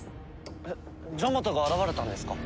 えっジャマトが現れたんですか？